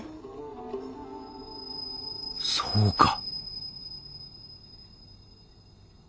そうか！